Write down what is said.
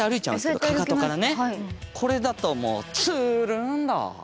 これだともうツルンだ。